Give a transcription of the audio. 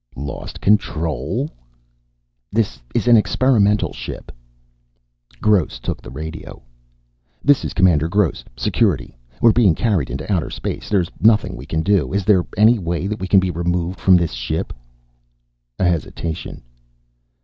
"Lost control?" "This is an experimental ship." Gross took the radio. "This is Commander Gross, Security. We're being carried into outer space. There's nothing we can do. Is there any way that we can be removed from this ship?" A hesitation.